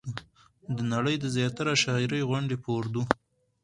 د نړۍ د زياتره شاعرۍ غوندې په اردو